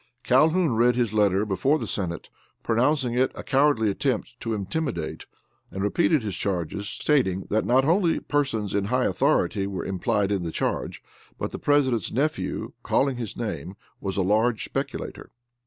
Calhoun read his letter before the senate pronouncing it a cowardly attempt to intimidate, and repeated his charges; stating that not only persons high in authority were implied in the charge, but the president's nephew, calling his name, was a large speculator.